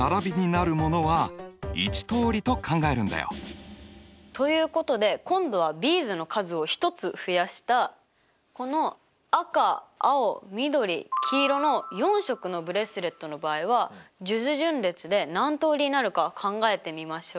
これは円順列の仲間ということで今度はビーズの数を１つ増やしたこの赤青緑黄色の４色のブレスレットの場合はじゅず順列で何通りになるか考えてみましょう。